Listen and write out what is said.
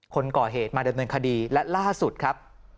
คนก่อเหตุมาดำเนินคดีและล่าสุดครับ